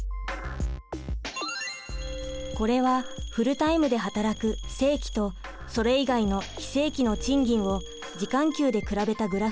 これはフルタイムで働く正規とそれ以外の非正規の賃金を時間給で比べたグラフです。